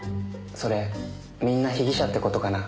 それみんな被疑者って事かな？